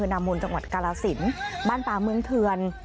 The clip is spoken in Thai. นามูลจังหวัดกาลสินบ้านป่าเมืองเทือน